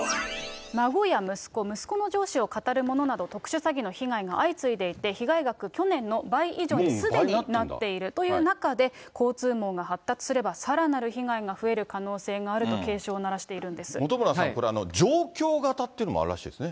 孫や息子、息子の上司をかたるものなど、特殊詐欺の被害が相次いでいて、被害額、去年の倍以上にすでになっているという中で、交通網が発達すればさらなる被害が増える可能性があると警鐘を鳴本村さん、上京型っていうのもあるらしいですね。